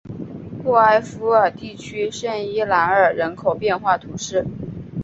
沃埃夫尔地区圣伊莱尔人口变化图示